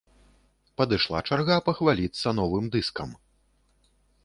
Падышла чарга пахваліцца новым дыскам.